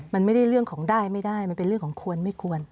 มันไม่ได้เรื่องของได้ไม่ได้มันเป็นเรื่องของควรไม่ควร